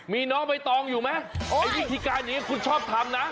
มีน้องใบตองอยู่ไหมไอ้วิธีการอย่างนี้คุณชอบทำนะ